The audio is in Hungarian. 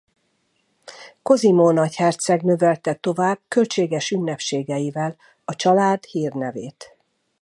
Cosimo nagyherceg növelte tovább költséges ünnepségeivel a család hírnevét.